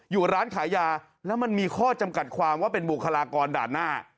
อยู่ร้านขายยาแล้วมันมีข้อจำกัดความว่าเป็นบุคลากรด่านหน้า